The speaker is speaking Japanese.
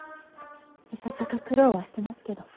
いささか苦労はしてますけど。